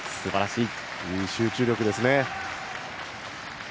いい集中力ですね。